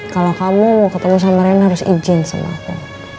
kalau kamu mau ketemu sama rena harus izin sama aku